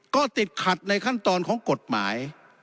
ก็ติดขัดในขั้นตอนของกฎหมาย